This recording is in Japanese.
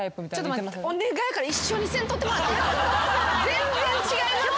全然違いますから。